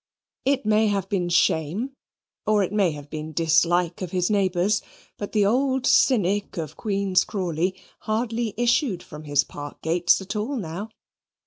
It may have been shame, or it may have been dislike of his neighbours, but the old Cynic of Queen's Crawley hardly issued from his park gates at all now.